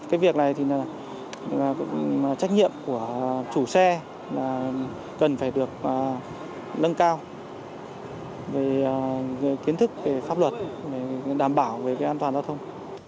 cái việc này thì là trách nhiệm của chủ xe là cần phải được nâng cao về kiến thức về pháp luật để đảm bảo về cái an toàn giao thông